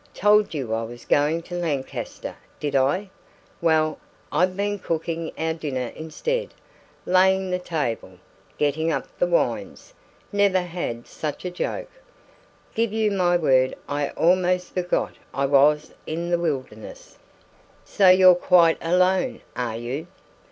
Told you I was going to Lancaster, did I? Well, I've been cooking our dinner instead laying the table getting up the wines never had such a joke! Give you my word, I almost forgot I was in the wilderness!" "So you're quite alone, are you?"